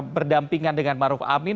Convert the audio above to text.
berdampingan dengan maruf amin